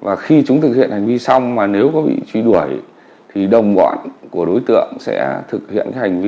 và khi chúng thực hiện hành vi xong mà nếu có bị truy đuổi thì đồng bọn của đối tượng sẽ thực hiện cái hành vi